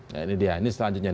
nah ini dia ini selanjutnya